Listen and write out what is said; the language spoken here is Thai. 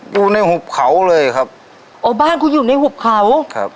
อยู่ในหุบเขาเลยครับโอ้บ้านคุณอยู่ในหุบเขาครับ